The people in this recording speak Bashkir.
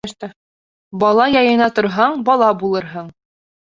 Бала яйына торһаң, бала булырһың.